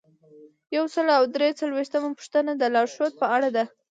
یو سل او درې څلویښتمه پوښتنه د لارښوود په اړه ده.